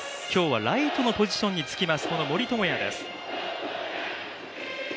ライトのポジションにつきます、今日の森友哉です。